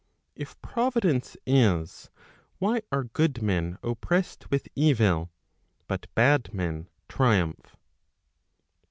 If Providence is, why are good men oppressed with evil, but bad men triumph